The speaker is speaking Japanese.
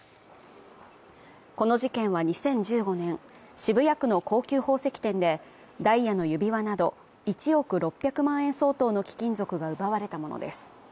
この事件は２０１５年、渋谷区の高級宝石店で、ダイヤの指輪など１億６００万円相当の貴金属が奪われたものです。